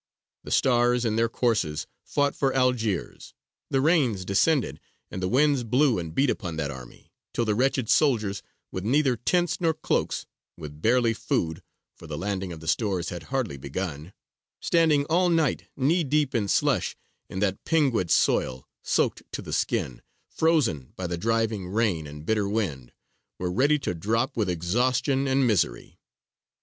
The stars in their courses fought for Algiers: the rains descended and the winds blew and beat upon that army, till the wretched soldiers, with neither tents nor cloaks, with barely food for the landing of the stores had hardly begun standing all night knee deep in slush in that pinguid soil, soaked to the skin, frozen by the driving rain and bitter wind, were ready to drop with exhaustion and misery.